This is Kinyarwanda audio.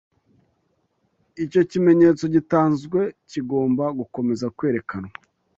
Icyo kimenyetso gitanzwe kigomba gukomeza kwerekanwa